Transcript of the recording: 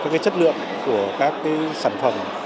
cái chất lượng của các cái sản phẩm